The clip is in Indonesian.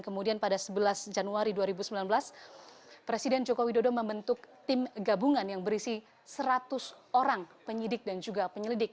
kemudian pada sebelas januari dua ribu sembilan belas presiden joko widodo membentuk tim gabungan yang berisi seratus orang penyidik dan juga penyelidik